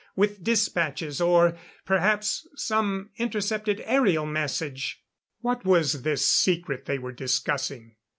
With dispatches or perhaps some intercepted aerial message." What was this secret they were discussing?